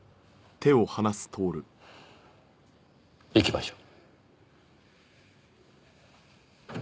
行きましょう。